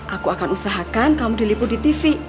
aku akan usahakan kamu diliput di tv